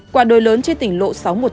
quả đồi lớn trên tỉnh lộ sáu trăm một mươi tám